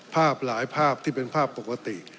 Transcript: ภาพหลายภาพที่เป็นภาพปกติ